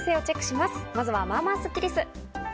まずは、まあまあスッキりす。